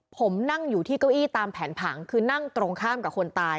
ผมนั่งอยู่ที่เก้าอี้ตามแผนผังคือนั่งตรงข้ามกับคนตาย